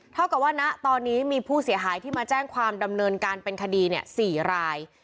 เท่ากับว่าณตอนนี้มีผู้เสียหายที่มาแจ้งความดำเนินการเป็นคดี๔ราย